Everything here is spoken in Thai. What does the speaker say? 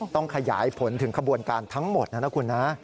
ต้องขยายผลถึงขบวนการทั้งหมดนะนะคุณนะ